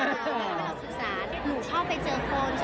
หนูชอบไปเจอคนชอบแบบชื่นส่วนเนอะ